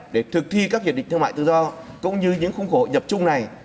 để thực thi các hiệp định thương mại tự do cũng như những khung khổ nhập chung này